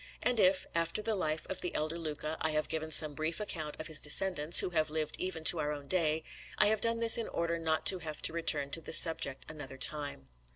And if, after the Life of the elder Luca, I have given some brief account of his descendants, who have lived even to our own day, I have done this in order not to have to return to this subject another time.